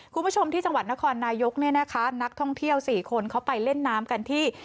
คุณผู้ชมที่จังหวัดนครนายกเนี่ยนะคะนักท่องเที่ยว๔คนเขาไปเล่นน้ำกันที่